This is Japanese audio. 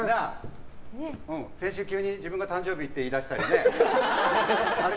先週、急に自分が誕生日って言い出したりね。